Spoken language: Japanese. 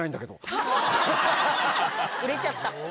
売れちゃった。